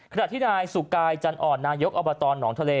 ขณะที่นายสุกายจันอ่อนนายกอบตหนองทะเล